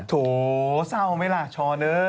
โถสาวไหมล่ะช้อนเอ้ย